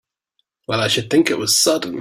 Well I should think it was sudden!